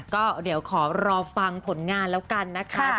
ก็เดี๋ยวขอรอฟังผลงานแล้วกันนะคะ